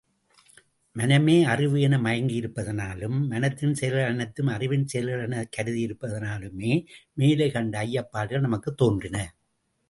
மனமே அறிவு என மயங்கியிருப்பதனாலும், மனத்தின் செயல்களனைத்தும் அறிவின் செயல்களெனக் கருதியிருப்பதனாலுமே, மேலே கண்ட ஐயப்பாடுகள் நமக்குத் தோன்றின.